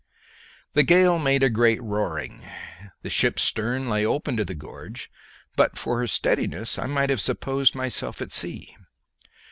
The gale made a great roaring. The ship's stern lay open to the gorge, and but for her steadiness I might have supposed myself at sea.